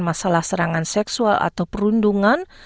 masalah serangan seksual atau perundungan